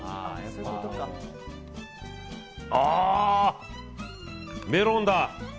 あー、メロンだ。